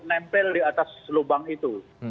nempel di atas lubang itu